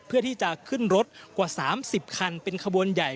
เพื่อที่จะขึ้นรถกว่า๓๐คันเป็นขบวนใหญ่